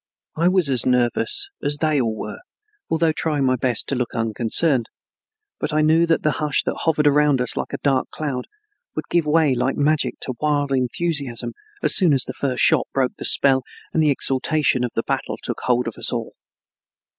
I was as nervous as they all were, although trying my best to look unconcerned; but I knew that the hush that hovered around us like a dark cloud would give way like magic to wild enthusiasm as soon as the first shot broke the spell and the exultation of the battle took hold of us all.